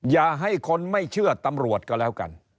อย่าให้คนไม่เชื่อตำรวจก็แล้วกัน